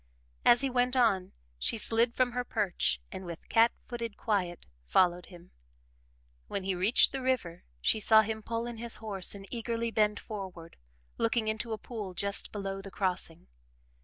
As he went on, she slid from her perch and with cat footed quiet followed him. When he reached the river she saw him pull in his horse and eagerly bend forward, looking into a pool just below the crossing.